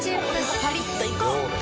パリッと行こう！